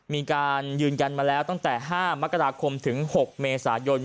มีการยืนยันมาแล้วตั้งแต่๕มกราคมถึง๖เมษายน